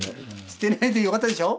捨てないでよかったでしょ。